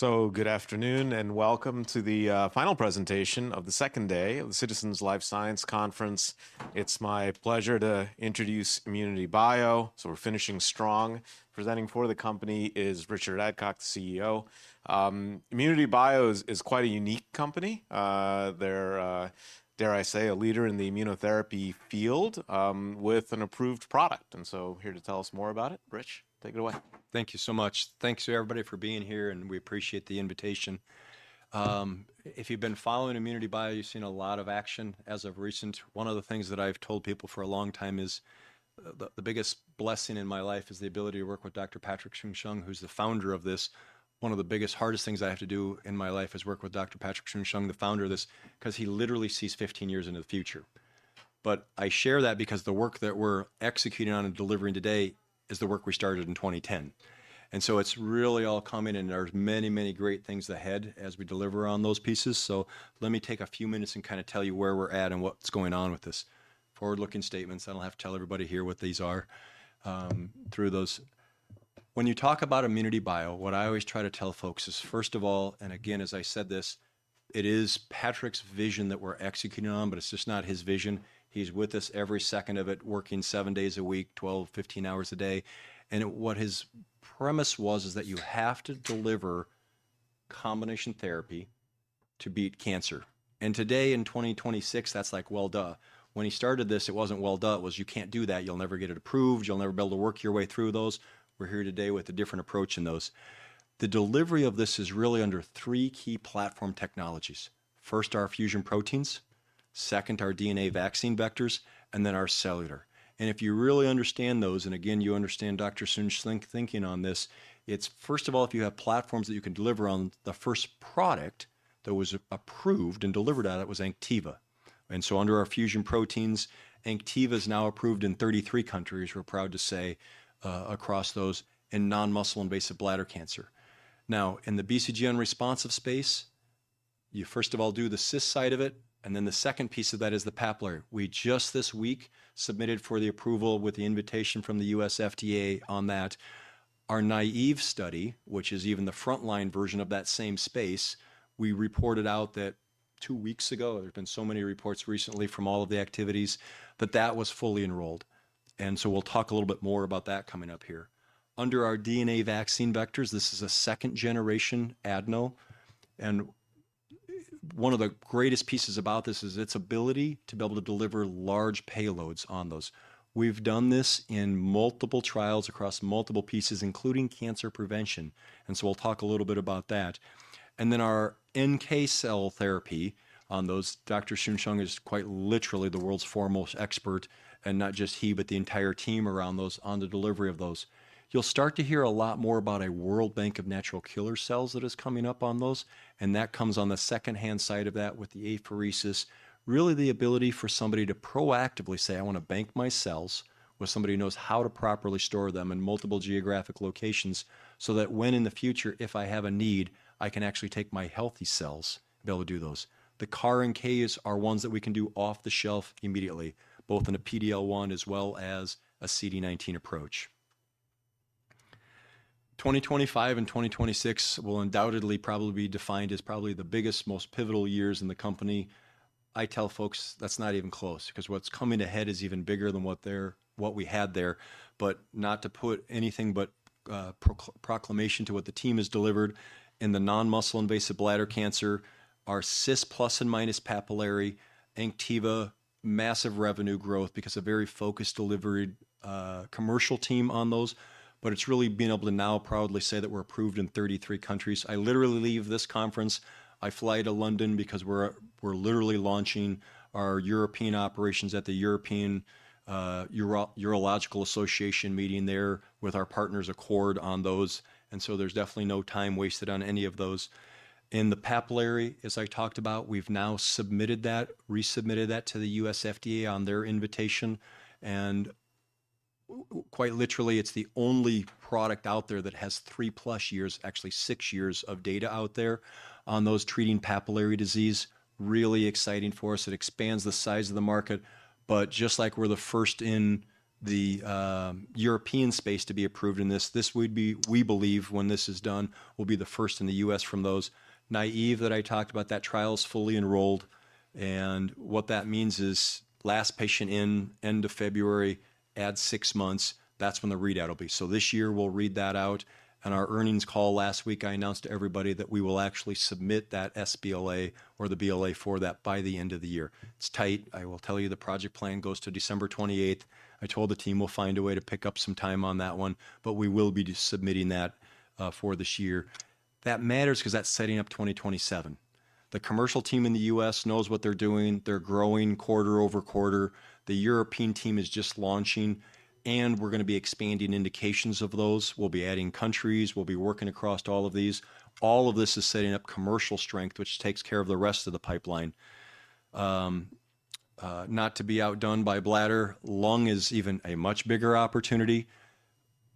Good afternoon, and welcome to the final presentation of the second day of the Citizens Life Sciences Conference. It's my pleasure to introduce ImmunityBio, so we're finishing strong. Presenting for the company is Richard Adcock, the CEO. ImmunityBio is quite a unique company. They're dare I say, a leader in the immunotherapy field with an approved product. Here to tell us more about it, Rich, take it away. Thank you so much. Thanks to everybody for being here, and we appreciate the invitation. If you've been following ImmunityBio, you've seen a lot of action as of recent. One of the things that I've told people for a long time is the biggest blessing in my life is the ability to work with Dr. Patrick Soon-Shiong, who's the founder of this. One of the biggest, hardest things I have to do in my life is work with Dr. Patrick Soon-Shiong, the founder of this, 'cause he literally sees 15 years into the future. But I share that because the work that we're executing on and delivering today is the work we started in 2010. It's really all coming, and there's many, many great things ahead as we deliver on those pieces. Let me take a few minutes and kinda tell you where we're at and what's going on with this. Forward-looking statements, I don't have to tell everybody here what these are, through those. When you talk about ImmunityBio, what I always try to tell folks is, first of all, and again, as I said this, it is Patrick's vision that we're executing on, but it's just not his vision. He's with us every second of it, working seven days a week, 12, 15 hours a day. What his premise was is that you have to deliver combination therapy to beat cancer. Today, in 2026, that's like, well, duh. When he started this, it wasn't well, duh, it was, "You can't do that. You'll never get it approved. You'll never be able to work your way through those." We're here today with a different approach in those. The delivery of this is really under three key platform technologies. First, our fusion proteins, second, our DNA vaccine vectors, and then our cellular. If you really understand those, and again, you understand Dr. Patrick Soon-Shiong's thinking on this, it's first of all, if you have platforms that you can deliver on, the first product that was approved and delivered out, it was ANKTIVA. Under our fusion proteins, ANKTIVA's now approved in 33 countries, we're proud to say, across those in non-muscle invasive bladder cancer. Now, in the BCG unresponsive space, you first of all do the CIS side of it, and then the second piece of that is the papillary. We just this week submitted for the approval with the invitation from the U.S. FDA on that. Our naïve study, which is even the frontline version of that same space, we reported out that two weeks ago. There've been so many reports recently from all of the activities, but that was fully enrolled, and so we'll talk a little bit more about that coming up here. Under our DNA vaccine vectors, this is a second-generation adeno, and one of the greatest pieces about this is its ability to be able to deliver large payloads on those. We've done this in multiple trials across multiple pieces, including cancer prevention, and so we'll talk a little bit about that. Then our NK cell therapy on those, Dr. Soon-Shiong is quite literally the world's foremost expert, and not just he, but the entire team around those on the delivery of those. You'll start to hear a lot more about a world bank of natural killer cells that is coming up on those, and that comes on the secondhand side of that with the apheresis. Really the ability for somebody to proactively say, "I want to bank my cells with somebody who knows how to properly store them in multiple geographic locations so that when in the future, if I have a need, I can actually take my healthy cells," be able to do those. The CAR NKs are ones that we can do off the shelf immediately, both in a PD-L1 as well as a CD19 approach. 2025 and 2026 will undoubtedly probably be defined as probably the biggest, most pivotal years in the company. I tell folks that's not even close, 'cause what's coming ahead is even bigger than what we had there. Not to put anything but proclamation to what the team has delivered in the non-muscle invasive bladder cancer, our CIS plus and minus papillary, ANKTIVA, massive revenue growth because a very focused, dedicated commercial team on those. It's really being able to now proudly say that we're approved in 33 countries. I literally leave this conference, I fly to London because we're literally launching our European operations at the European Association of Urology meeting there with our partners, Accord, on those. There's definitely no time wasted on any of those. In the papillary, as I talked about, we've now submitted that, resubmitted that to the U.S. FDA on their invitation. Quite literally, it's the only product out there that has 3+ years, actually six years of data out there on those treating papillary disease. Really exciting for us. It expands the size of the market, but just like we're the first in the European space to be approved in this would be, we believe, when this is done, we'll be the first in the U.S. from those. N-803 that I talked about, that trial is fully enrolled, and what that means is last patient in, end of February, add six months, that's when the readout will be. This year we'll read that out. On our earnings call last week, I announced to everybody that we will actually submit that sBLA or the BLA for that by the end of the year. It's tight. I will tell you, the project plan goes to December 28th. I told the team we'll find a way to pick up some time on that one, but we will be submitting that for this year. That matters 'cause that's setting up 2027. The commercial team in the U.S. knows what they're doing. They're growing quarter-over-quarter. The European team is just launching, and we're gonna be expanding indications of those. We'll be adding countries. We'll be working across to all of these. All of this is setting up commercial strength, which takes care of the rest of the pipeline. Not to be outdone by bladder, lung is even a much bigger opportunity.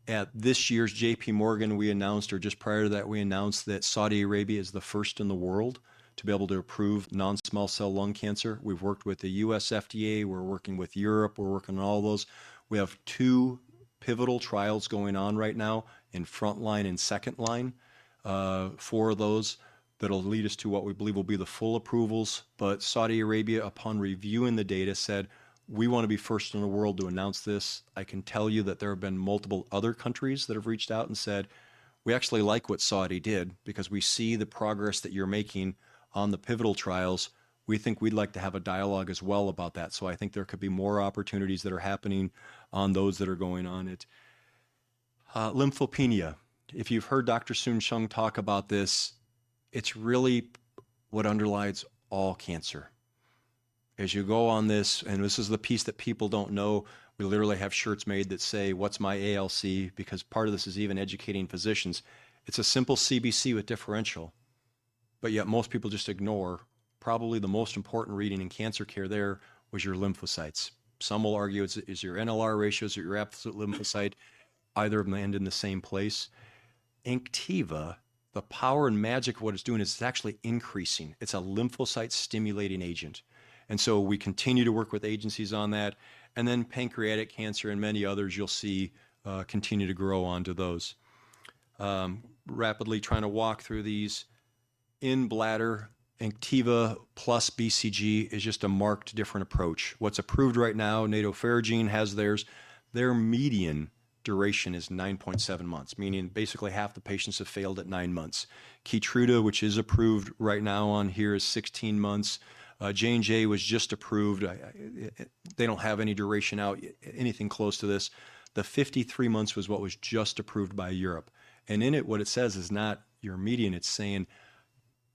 At this year's J.P. Morgan, we announced, or just prior to that, we announced that Saudi Arabia is the first in the world to be able to approve non-small cell lung cancer. We've worked with the U.S. FDA. We're working with Europe. We're working on all those. We have two pivotal trials going on right now in frontline and second line, for those that'll lead us to what we believe will be the full approvals. Saudi Arabia, upon reviewing the data, said, "We want to be first in the world to announce this." I can tell you that there have been multiple other countries that have reached out and said, "We actually like what Saudi did because we see the progress that you're making on the pivotal trials. We think we'd like to have a dialogue as well about that." I think there could be more opportunities that are happening on those that are going on it. Lymphopenia, if you've heard Dr. Patrick Soon-Shiong talk about this, it's really what underlies all cancer. As you go on this, and this is the piece that people don't know, we literally have shirts made that say, "What's my ALC?" Because part of this is even educating physicians. It's a simple CBC with differential, but yet most people just ignore probably the most important reading in cancer care there was your lymphocytes. Some will argue it's your NLR ratios or your absolute lymphocyte, either of them end in the same place. ANKTIVA, the power and magic of what it's doing is it's actually increasing. It's a lymphocyte-stimulating agent. We continue to work with agencies on that, and then pancreatic cancer and many others you'll see continue to grow onto those. Rapidly trying to walk through these. In bladder, ANKTIVA + BCG is just a markedly different approach. What's approved right now, nadofaragene firadenovec has theirs. Their median duration is 9.7 months, meaning basically half the patients have failed at nine months. Keytruda, which is approved right now on here, is 16 months. J&J was just approved. I, they don't have any duration out yet, anything close to this. The 53 months was what was just approved by Europe, and in it, what it says is not your median. It's saying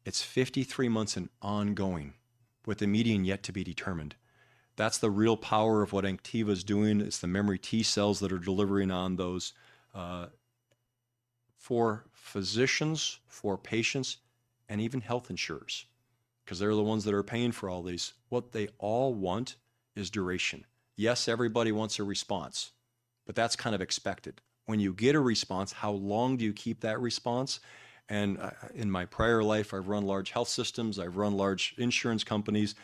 it's 53 months and ongoing, with the median yet to be determined. That's the real power of what ANKTIVA's doing. It's the memory T cells that are delivering on those, for physicians, for patients, and even health insurers, 'cause they're the ones that are paying for all these. What they all want is duration. Yes, everybody wants a response, but that's kind of expected. When you get a response, how long do you keep that response? In my prior life, I've run large health systems, I've run large insurance companies,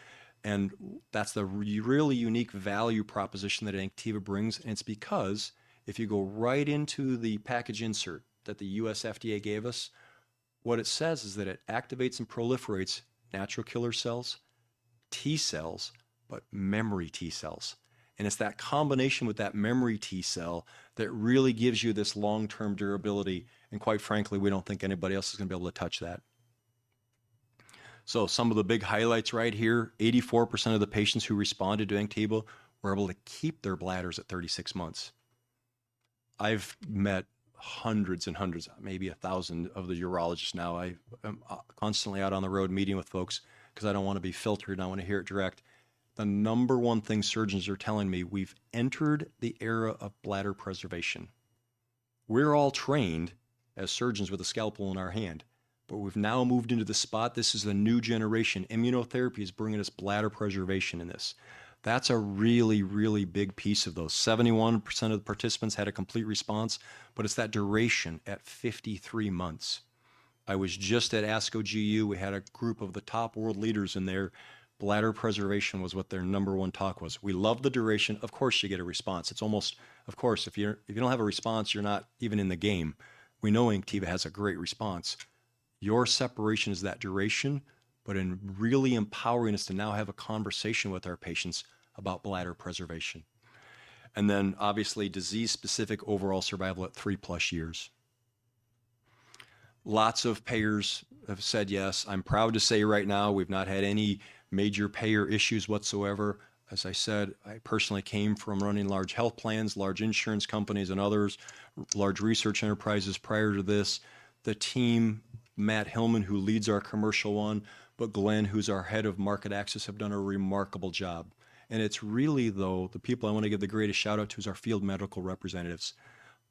and that's the really unique value proposition that ANKTIVA brings, and it's because if you go right into the package insert that the U.S. FDA gave us, what it says is that it activates and proliferates natural killer cells, T cells, but memory T cells, and it's that combination with that memory T-cell that really gives you this long-term durability, and quite frankly, we don't think anybody else is gonna be able to touch that. Some of the big highlights right here, 84% of the patients who responded to ANKTIVA were able to keep their bladders at 36 months. I've met hundreds and hundreds, maybe a thousand, of the urologists now. I am constantly out on the road meeting with folks 'cause I don't want to be filtered and I want to hear it direct. The number one thing surgeons are telling me, we've entered the era of bladder preservation. We're all trained as surgeons with a scalpel in our hand, but we've now moved into the spot. This is the new generation. Immunotherapy is bringing us bladder preservation in this. That's a really, really big piece of those. 71% of the participants had a complete response, but it's that duration at 53 months. I was just at ASCO GU. We had a group of the top world leaders, and their bladder preservation was what their number one talk was. We love the duration. Of course, you get a response. It's almost. Of course, if you don't have a response, you're not even in the game. We know ANKTIVA has a great response. Your separation is that duration, but in really empowering us to now have a conversation with our patients about bladder preservation. Obviously, disease-specific overall survival at 3+ years. Lots of payers have said yes. I'm proud to say right now we've not had any major payer issues whatsoever. As I said, I personally came from running large health plans, large insurance companies and others, large research enterprises prior to this. The team, Matthew Hellmann, who leads our commercial one, but Glenn, who's our head of market access, have done a remarkable job, and it's really, though, the people I want to give the greatest shout-out to is our field medical representatives.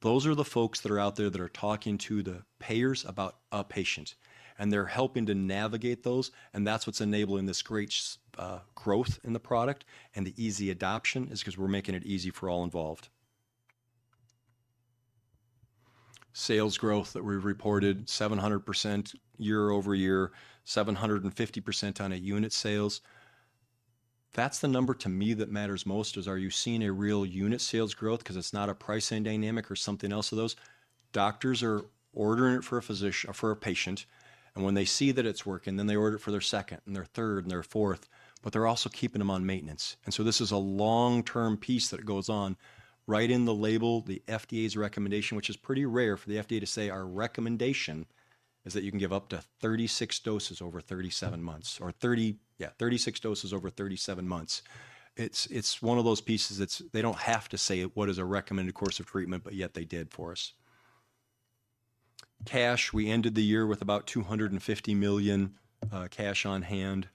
Those are the folks that are out there that are talking to the payers about our patients, and they're helping to navigate those, and that's what's enabling this great growth in the product and the easy adoption is 'cause we're making it easy for all involved. Sales growth that we've reported, 700% year-over-year, 750% on unit sales. That's the number to me that matters most is are you seeing a real unit sales growth 'cause it's not a pricing dynamic or something else of those. Doctors are ordering it for a patient, and when they see that it's working, then they order it for their second and their third and their fourth, but they're also keeping them on maintenance. This is a long-term piece that goes on right in the label, the FDA's recommendation, which is pretty rare for the FDA to say, "Our recommendation is that you can give up to 36 doses over 37 months." 36 doses over 37 months. It's one of those pieces that they don't have to say what is a recommended course of treatment, but yet they did for us. Cash, we ended the year with about $250 million cash on hand.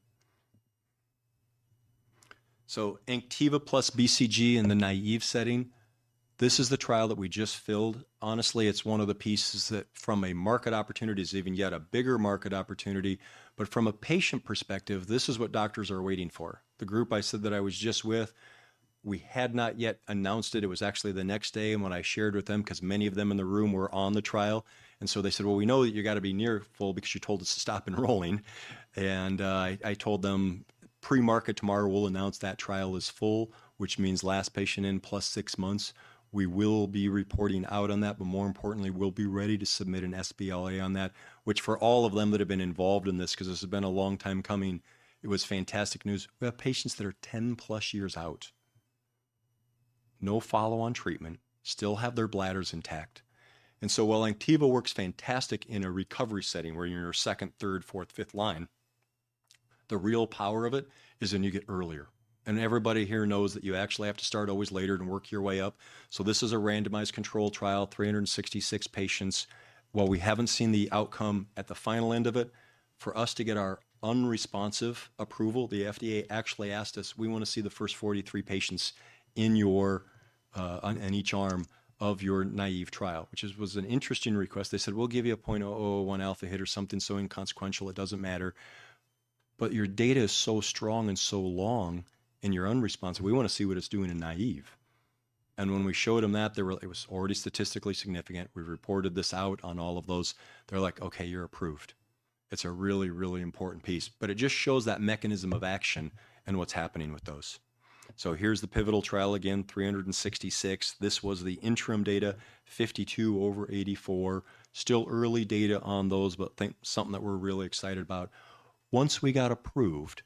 ANKTIVA + BCG in the naive setting, this is the trial that we just filed. Honestly, it's one of the pieces that from a market opportunity is even yet a bigger market opportunity. But from a patient perspective, this is what doctors are waiting for. The group I said that I was just with, we had not yet announced it. It was actually the next day and when I shared with them, 'cause many of them in the room were on the trial. They said, "Well, we know that you gotta be near full because you told us to stop enrolling." I told them pre-market tomorrow, we'll announce that trial is full, which means last patient in +6 months. We will be reporting out on that, but more importantly, we'll be ready to submit an sBLA on that, which for all of them that have been involved in this, because this has been a long time coming, it was fantastic news. We have patients that are 10+ years out. No follow on treatment, still have their bladders intact. While ANKTIVA works fantastic in a recovery setting where you're in your second, third, fourth, fifth line, the real power of it is when you get earlier. Everybody here knows that you actually have to start always later and work your way up. This is a randomized control trial, 366 patients. While we haven't seen the outcome at the final end of it, for us to get our unresponsive approval, the FDA actually asked us, "We want to see the first 43 patients in each arm of your naive trial," which was an interesting request. They said, "We'll give you a 0.01 alpha hit or something so inconsequential it doesn't matter, but your data is so strong and so long in your unresponsive, we want to see what it's doing in naive." When we showed them that, it was already statistically significant. We reported this out on all of those. They're like, "Okay, you're approved." It's a really, really important piece. It just shows that mechanism of action and what's happening with those. Here's the pivotal trial again, 366. This was the interim data, 52 over 84. Still early data on those, but something that we're really excited about. Once we got approved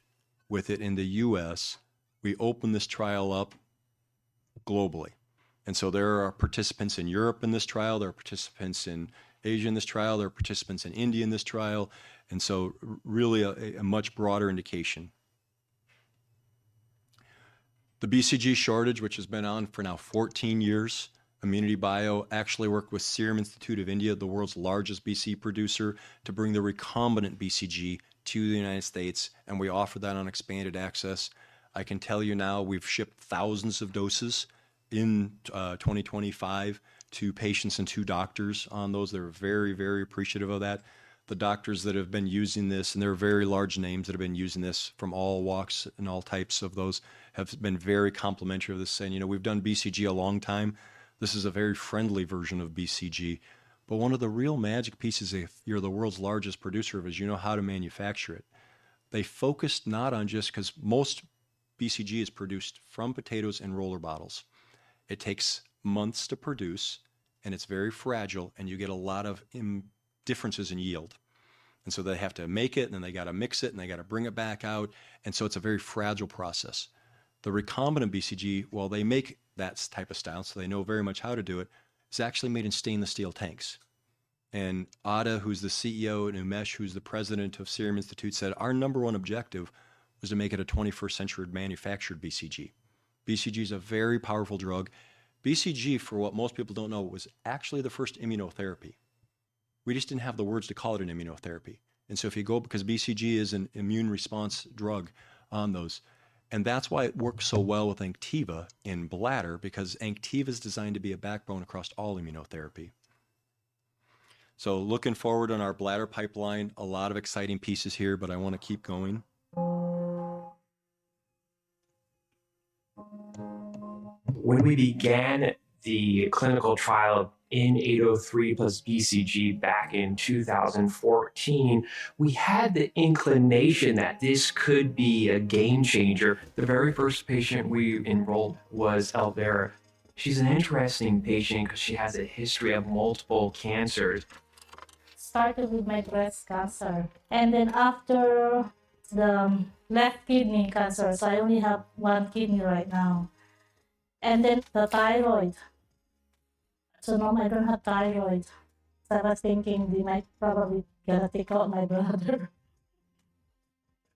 with it in the U.S., we opened this trial up globally. There are participants in Europe in this trial, there are participants in Asia in this trial, there are participants in India in this trial, and so really a much broader indication. The BCG shortage, which has been on for now 14 years, ImmunityBio actually worked with Serum Institute of India, the world's largest BCG producer, to bring the recombinant BCG to the United States, and we offer that on expanded access. I can tell you now we've shipped thousands of doses in 2025 to patients and to doctors, and those that are very, very appreciative of that. The doctors that have been using this, and there are very large names that have been using this from all walks and all types of those, have been very complimentary of this, saying, you know, "We've done BCG a long time. This is a very friendly version of BCG." One of the real magic pieces if you're the world's largest producer is you know how to manufacture it. They focused not just 'cause most BCG is produced from potatoes in roller bottles. It takes months to produce, and it's very fragile, and you get a lot of inconsistencies in yield. They have to make it, and then they got to mix it, and they got to bring it back out, and so it's a very fragile process. The recombinant BCG, while they make that type still so they know very much how to do it, is actually made in stainless steel tanks. Adar, who's the CEO, and Umesh, who's the president of Serum Institute, said, "Our number one objective was to make it a 21st century manufactured BCG." BCG is a very powerful drug. BCG, for what most people don't know, was actually the first immunotherapy. We just didn't have the words to call it an immunotherapy. If you go because BCG is an immune response drug on those, and that's why it works so well with ANKTIVA in bladder because ANKTIVA is designed to be a backbone across all immunotherapy. Looking forward on our bladder pipeline, a lot of exciting pieces here, but I want to keep going. When we began the clinical trial of N-803 + BCG back in 2014, we had the inclination that this could be a game changer. The very first patient we enrolled was Elvira. She's an interesting patient because she has a history of multiple cancers. Started with my breast cancer, and then after, the left kidney cancer, so I only have one kidney right now. The thyroid. Now I don't have thyroid. I was thinking they might probably gonna take out my bladder.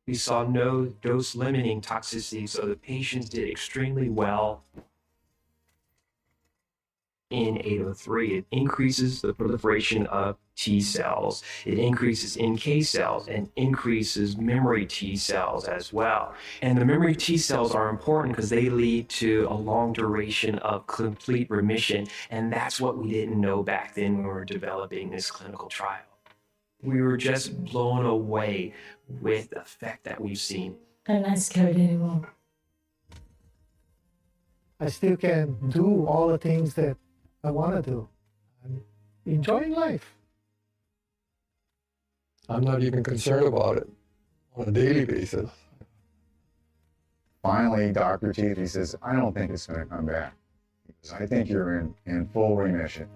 We saw no dose-limiting toxicity, so the patients did extremely well. N-803, it increases the proliferation of T cells, it increases NK cells, and increases memory T cells as well. The memory T cells are important because they lead to a long duration of complete remission, and that's what we didn't know back then when we were developing this clinical trial. We were just blown away with the effect that we've seen. I'm not scared anymore. I still can do all the things that I wanna do. I'm enjoying life. I'm not even concerned about it on a daily basis. Finally, Dr. Teague, he says, "I don't think it's gonna come back, because I think you're in full remission."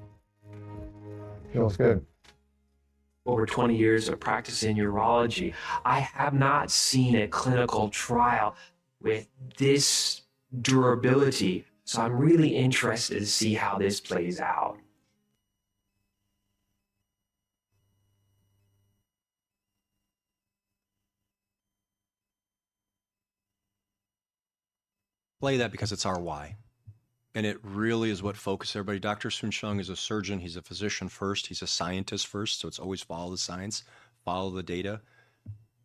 Feels good. Over 20 years of practice in urology, I have not seen a clinical trial with this durability, so I'm really interested to see how this plays out. Play that because it's our why, and it really is what focuses everybody. Dr. Soon-Shiong is a surgeon. He's a physician first. He's a scientist first, so it's always follow the science, follow the data.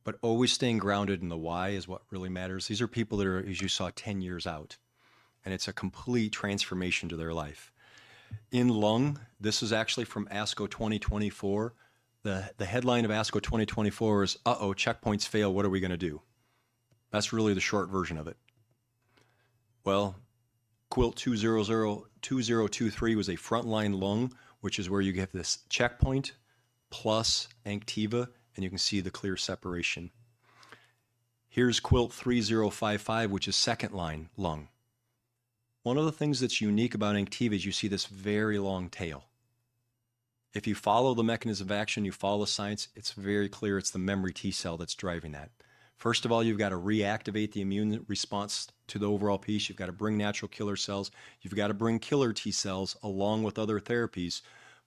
But always staying grounded in the why is what really matters. These are people that are, as you saw, 10 years out, and it's a complete transformation to their life. In lung, this is actually from ASCO 2024. The headline of ASCO 2024 is, "Uh-oh, checkpoints fail. What are we gonna do?" That's really the short version of it. Well, QUILT-2.023 was a frontline lung, which is where you get this checkpoint plus ANKTIVA and you can see the clear separation. Here's QUILT-3.055, which is second line lung. One of the things that's unique about ANKTIVA is you see this very long tail. If you follow the mechanism of action, you follow the science, it's very clear it's the memory T cell that's driving that. First of all, you've got to reactivate the immune response to the overall piece. You've got to bring natural killer cells. You've got to bring killer T cells along with other therapies.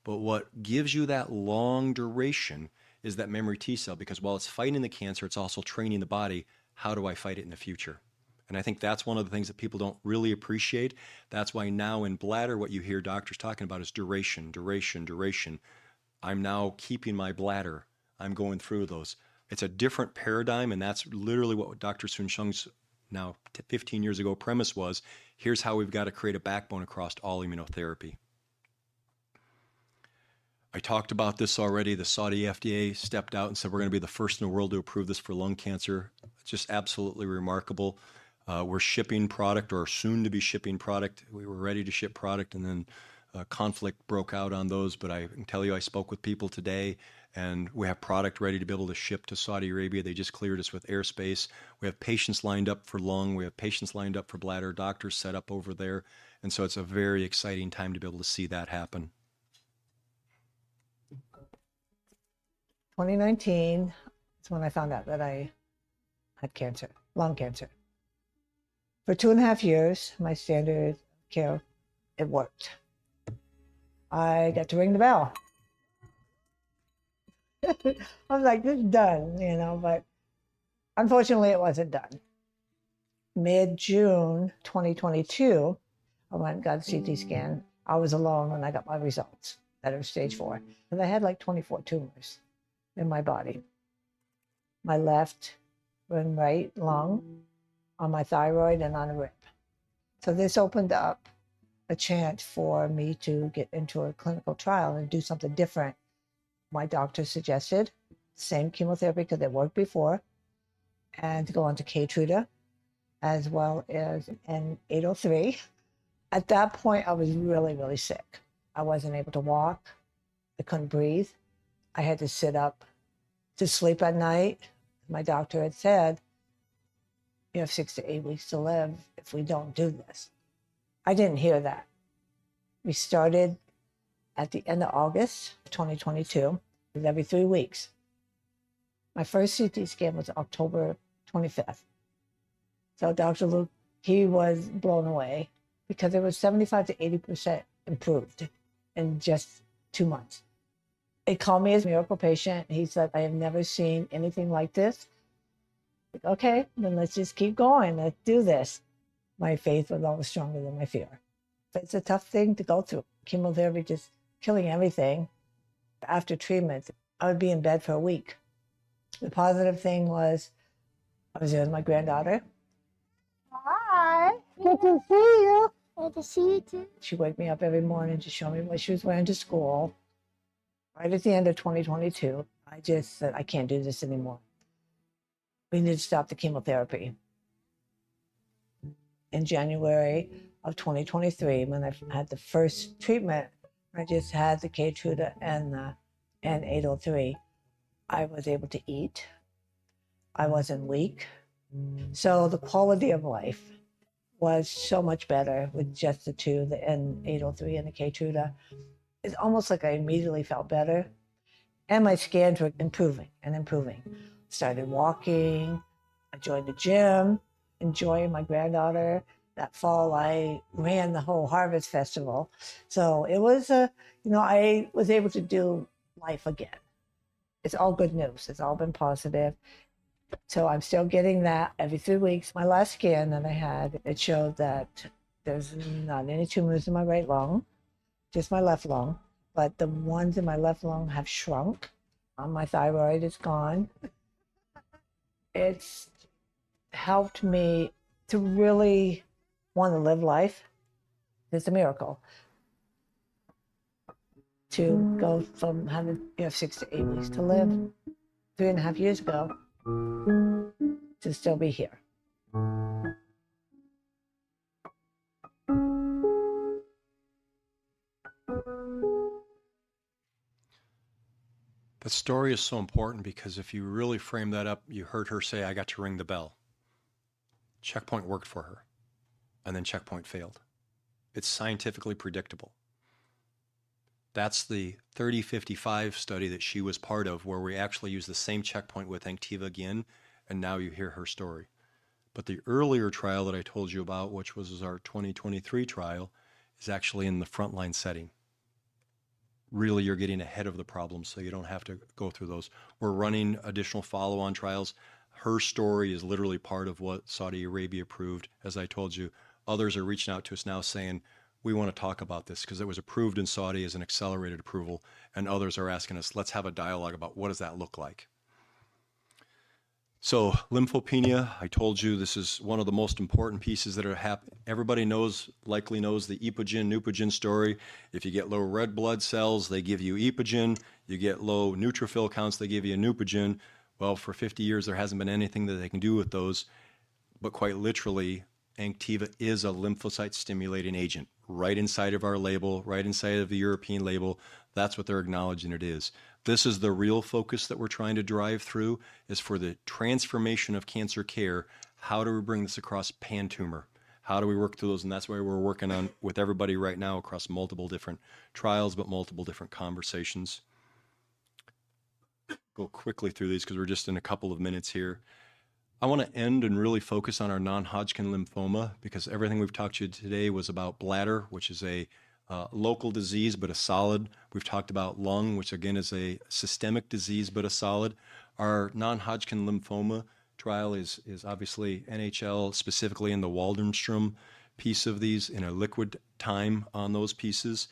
But what gives you that long duration is that memory T cell because while it's fighting the cancer, it's also training the body, how do I fight it in the future? And I think that's one of the things that people don't really appreciate. That's why now in bladder, what you hear doctors talking about is duration, duration. I'm now keeping my bladder. I'm going through those. It's a different paradigm and that's literally what Dr. Soon-Shiong's now 15 years ago premise was. Here's how we've got to create a backbone across all immunotherapy. I talked about this already. The Saudi FDA stepped out and said we're going to be the first in the world to approve this for lung cancer. Just absolutely remarkable. We're shipping product or soon to be shipping product. We were ready to ship product and then conflict broke out on those. But I can tell you I spoke with people today and we have product ready to be able to ship to Saudi Arabia. They just cleared us with airspace. We have patients lined up for lung. We have patients lined up for bladder. Doctors set up over there. It's a very exciting time to be able to see that happen. 2019 is when I found out that I had cancer, lung cancer. For two and a half years, my standard care, it worked. I got to ring the bell. I was like, this is done, you know, but unfortunately it wasn't done. Mid-June 2022, I went and got a CT scan. I was alone when I got my results that I was stage four. I had like 24 tumors in my body. My left and right lung, on my thyroid and on a rib. This opened up a chance for me to get into a clinical trial and do something different. My doctor suggested same chemotherapy because it worked before and to go on to Keytruda as well as N803. At that point, I was really, really sick. I wasn't able to walk. I couldn't breathe. I had to sit up to sleep at night. My doctor had said, you have six to eight weeks to live if we don't do this. I didn't hear that. We started at the end of August 2022. It was every three weeks. My first CT scan was October 25th. Dr. Liu, he was blown away because it was 75%-80% improved in just two months. He called me his miracle patient. He said, I have never seen anything like this. Okay, then let's just keep going. Let's do this. My faith was always stronger than my fear. It's a tough thing to go through. Chemotherapy just killing everything. After treatment, I would be in bed for a week. The positive thing was I was there with my granddaughter. Hi. Good to see you. Good to see you too. She'd wake me up every morning to show me what she was wearing to school. Right at the end of 2022, I just said, I can't do this anymore. We need to stop the chemotherapy. In January of 2023, when I had the first treatment, I just had the Keytruda and the N-803. I was able to eat. I wasn't weak. The quality of life was so much better with just the two, the N-803 and the Keytruda. It's almost like I immediately felt better. My scans were improving and improving. Started walking. I joined the gym, enjoying my granddaughter. That fall, I ran the whole harvest festival. It was a, you know, I was able to do life again. It's all good news. It's all been positive. I'm still getting that every three weeks. My last scan that I had, it showed that there's not any tumors in my right lung, just my left lung. The ones in my left lung have shrunk. On my thyroid, it's gone. It's helped me to really want to live life. It's a miracle to go from having, you know, six-eight weeks to live three and a half years ago to still be here. That story is so important because if you really frame that up, you heard her say, I got to ring the bell. Checkpoint worked for her and then checkpoint failed. It's scientifically predictable. That's the 3.055 study that she was part of where we actually use the same checkpoint with ANKTIVA again, and now you hear her story. The earlier trial that I told you about, which was our 2.023 trial, is actually in the frontline setting. Really, you're getting ahead of the problem so you don't have to go through those. We're running additional follow-on trials. Her story is literally part of what Saudi Arabia approved. As I told you, others are reaching out to us now saying, we want to talk about this because it was approved in Saudi as an accelerated approval and others are asking us, let's have a dialogue about what does that look like. Lymphopenia, I told you this is one of the most important pieces that are happening. Everybody knows, likely knows the Epogen, Neupogen story. If you get low red blood cells, they give you Epogen. You get low neutrophil counts, they give you a Neupogen. Well, for 50 years, there hasn't been anything that they can do with those. But quite literally, ANKTIVA is a lymphocyte-stimulating agent. Right inside of our label, right inside of the European label, that's what they're acknowledging it is. This is the real focus that we're trying to drive through, is for the transformation of cancer care, how do we bring this across pan-tumor? How do we work through those? That's why we're working with everybody right now across multiple different trials, but multiple different conversations. Go quickly through these 'cause we're just in a couple of minutes here. I wanna end and really focus on our non-Hodgkin lymphoma because everything we've talked to you today was about bladder, which is a local disease, but a solid. We've talked about lung, which again is a systemic disease, but a solid. Our Non-Hodgkin lymphoma trial is obviously NHL, specifically in the Waldenstrom piece of these in a liquid tumor on those pieces.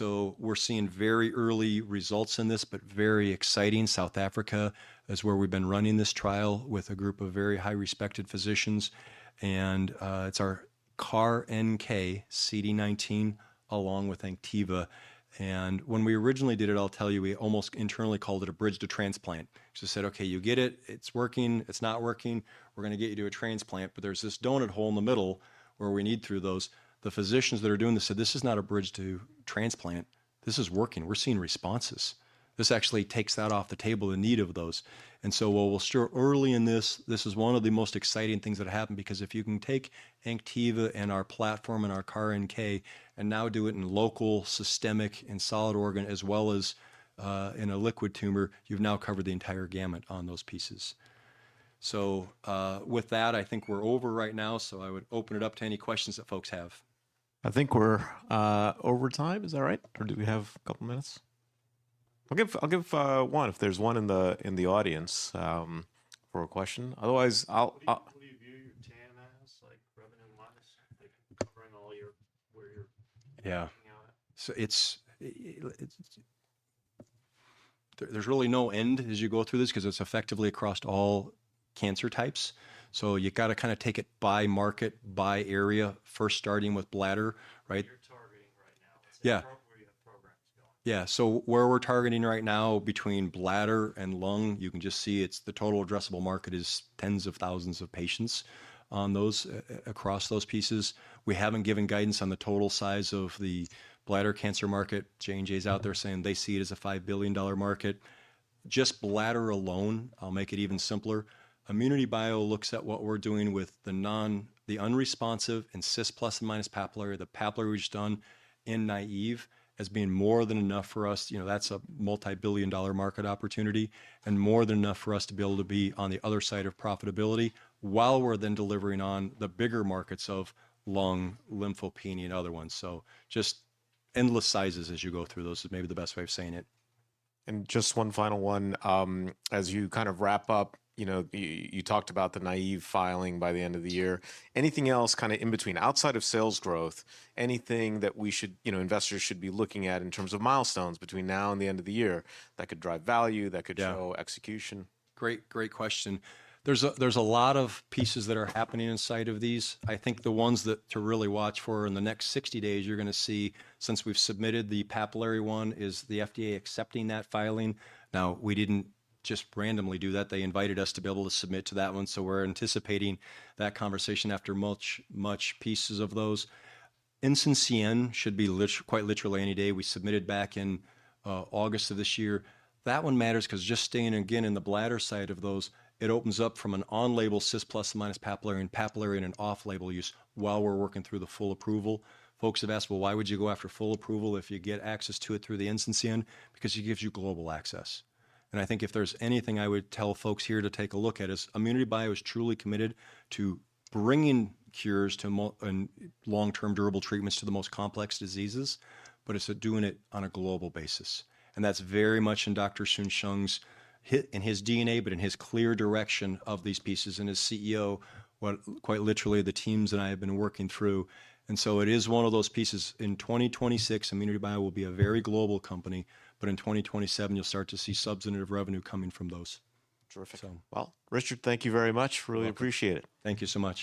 We're seeing very early results in this, but very exciting. South Africa is where we've been running this trial with a group of very high respected physicians, and it's our CAR-NK CD19 along with ANKTIVA. When we originally did it, I'll tell you, we almost internally called it a bridge to transplant. Just said, "Okay, you get it's working, it's not working, we're gonna get you to a transplant," but there's this donut hole in the middle where we need through those. The physicians that are doing this said, "This is not a bridge to transplant. This is working. We're seeing responses." This actually takes that off the table, the need of those. While we're still early in this is one of the most exciting things that happened because if you can take ANKTIVA and our platform and our CAR NK and now do it in local, systemic, and solid organ as well as in a liquid tumor, you've now covered the entire gamut on those pieces. With that, I think we're over right now, so I would open it up to any questions that folks have. I think we're over time. Is that all right? Or do we have a couple minutes? I'll give one if there's one in the audience for a question. Otherwise I'll- So there's really no end as you go through this 'cause it's effectively across all cancer types, so you gotta kinda take it by market, by area, first starting with bladder, right? Yeah. So where we're targeting right now between bladder and lung, you can just see it's the total addressable market is tens of thousands of patients on those, across those pieces. We haven't given guidance on the total size of the bladder cancer market. J&J's out there saying they see it as a $5 billion market. Just bladder alone, I'll make it even simpler, ImmunityBio looks at what we're doing with the non The unresponsive and CIS plus and minus papillary, the papillary we've just done in naïve as being more than enough for us. You know, that's a multi-billion dollar market opportunity, and more than enough for us to be able to be on the other side of profitability while we're then delivering on the bigger markets of lung, lymphopenia, and other ones. Just endless sizes as you go through those is maybe the best way of saying it. Just one final one. As you kind of wrap up, you know, you talked about the BLA filing by the end of the year. Anything else kinda in between, outside of sales growth, anything that we should, you know, investors should be looking at in terms of milestones between now and the end of the year that could drive value, that could show- Yeah. Execution? Great question. There's a lot of pieces that are happening inside of these. I think the ones that to really watch for in the next 60 days, you're gonna see since we've submitted the papillary one, is the FDA accepting that filing. Now, we didn't just randomly do that. They invited us to be able to submit to that one, so we're anticipating that conversation after much pieces of those. NCCN should be literally any day. We submitted back in August of this year. That one matters 'cause just staying again in the bladder side of those, it opens up from an on-label CIS± papillary and papillary in an off-label use while we're working through the full approval. Folks have asked, "Well, why would you go after full approval if you get access to it through the NCCN?" Because it gives you global access. I think if there's anything I would tell folks here to take a look at is ImmunityBio is truly committed to bringing cures to and long-term durable treatments to the most complex diseases, but it's doing it on a global basis, and that's very much in Dr. Soon-Shiong's in his DNA, but in his clear direction of these pieces and as CEO, what quite literally the teams and I have been working through. It is one of those pieces. In 2026, ImmunityBio will be a very global company, but in 2027 you'll start to see substantive revenue coming from those. Terrific. So. Well, Richard, thank you very much. You're welcome. Really appreciate it. Thank you so much.